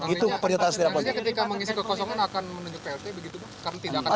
itu perintah sederhana